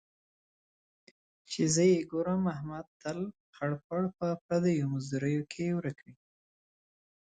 چې زه یې ګورم، احمد تل خړ پړ په پردیو مزدوریو کې ورک وي.